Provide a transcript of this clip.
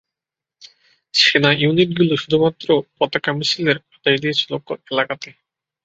সেনা ইউনিটগুলি শুধুমাত্র পতাকা মিছিলের আদেশ দিয়েছিল এলাকাতে।